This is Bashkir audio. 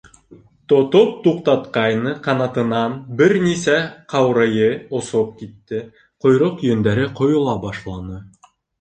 Тотоп туҡтатҡайны, ҡанатынан бер нисә ҡаурыйы осоп китте, ҡойроҡ йөндәре ҡойола башланы...